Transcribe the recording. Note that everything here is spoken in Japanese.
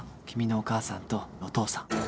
君のお母さんとお父さん。